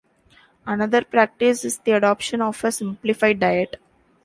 Another practice is the adoption of a simplified diet.